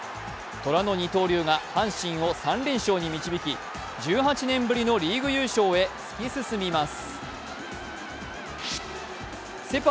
トラの二刀流が阪神を３連勝に導き１８年ぶりのリーグ優勝へ突き進みます。